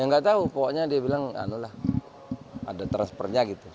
ya nggak tahu pokoknya dia bilang ada transfernya gitu